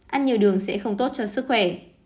ăn nhiều đường sẽ không tốt cho sức khỏe